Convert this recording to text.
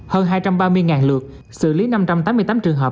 hơn hai trăm ba mươi lượt xử lý năm trăm tám mươi tám trường hợp